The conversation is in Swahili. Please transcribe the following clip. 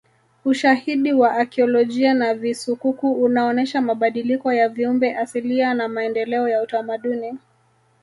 Ushahidi wa akiolojia na visukuku unaonesha mabadiliko ya viumbe asilia na maendeleo ya utamaduni